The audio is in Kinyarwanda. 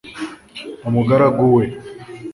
umugaragu we